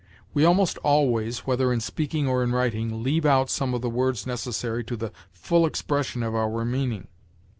We almost always, whether in speaking or in writing, leave out some of the words necessary to the full expression of our meaning.